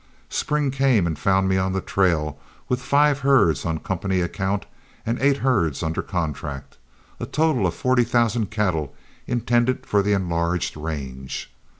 Spring came and found me on the trail, with five herds on company account and eight herds under contract, a total of forty thousand cattle intended for the enlarged range.